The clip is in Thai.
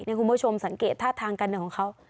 คุณผู้ชมสังเกตท่าทางการเดินของเขา